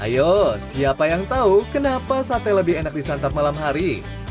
ayo siapa yang tau kenapa sate lebih enak di santap malam hari